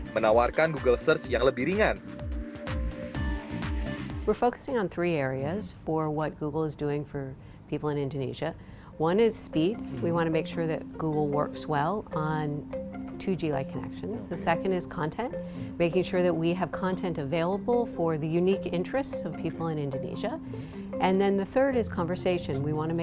menawarkan google search yang lebih ringan